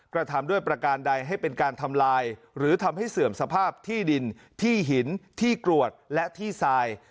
กระทำด้วยประการใดให้เป็นการทำลายหรือทำให้เสื่อมสภาพที่ดินที่หินที่กรวดและที่ทราย